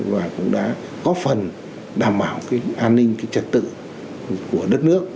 và cũng đã có phần đảm bảo cái an ninh cái trật tự của đất nước